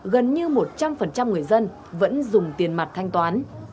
gần như một trăm linh người dân vẫn dùng tiền mặt thanh toán